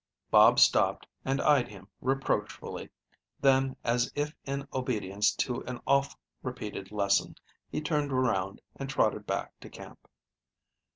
Bob stopped and eyed him reproachfully; then, as if in obedience to an oft repeated lesson, he turned around and trotted back to camp.